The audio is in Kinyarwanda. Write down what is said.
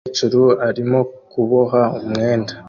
Umukecuru arimo kuboha umwenda